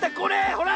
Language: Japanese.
ほら！